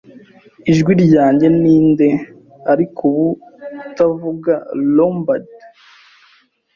Ijwi ryanjye ninde ariko ubu utavuga Lombard